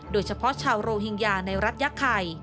โดยเฉพาะชาวโรฮิงญาในรัฐยะไข่